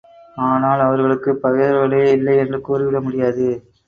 ஆனால், அவர்களுக்குப் பகைவர்களே இல்லை என்று கூறி விட முடியாது.